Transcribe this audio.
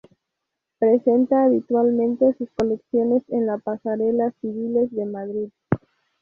Presenta habitualmente sus colecciones en la Pasarela Cibeles de Madrid.